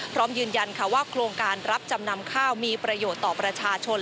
พร้อมยืนยันว่าโครงการรับจำนำข้าวมีประโยชน์ต่อประชาชน